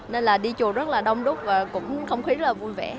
nên là đi chùa rất là đông đúc và cũng không khí rất là vui vẻ